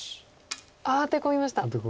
ああアテ込みました。